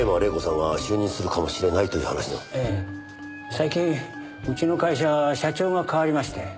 最近うちの会社社長が代わりまして。